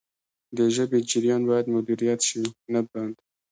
د ژبې جریان باید مدیریت شي نه بند.